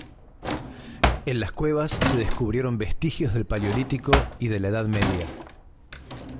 En las cuevas, se descubrieron vestigios del paleolítico y de la Edad Media.